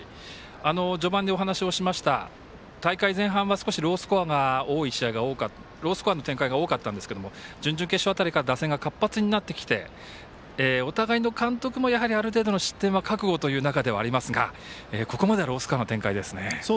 序盤でお話をしました大会前半はロースコアの展開が多かったんですけど準々決勝辺りから打線が活発になってきてお互いの監督も、やはりある程度の失点は覚悟という中ではありますがここまでロースコアの展開ですね。